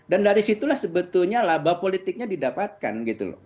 dan dari situlah sebetulnya laba politiknya didapatkan gitu loh